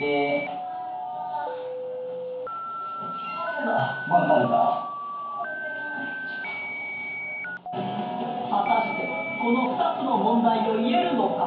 疲れた果たしてこの２つの問題を言えるのか？